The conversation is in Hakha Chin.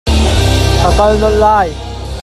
Ka kal nawlh lai.